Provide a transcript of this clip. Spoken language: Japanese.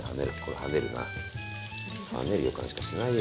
はねる予感しかしないよ。